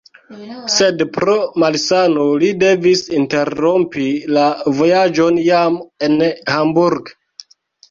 Sed pro malsano li devis interrompi la vojaĝon jam en Hamburg.